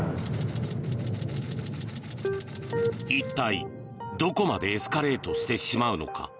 一体、どこまでエスカレートしてしまうのか。